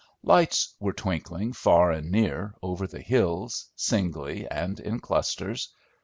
Lights were twinkling, far and near, over the hills, singly, and in clusters.